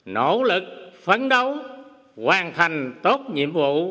nỗ lực phấn đấu hoàn thành tốt nhiệm vụ